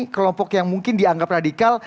kelompok yang mungkin dianggap radikal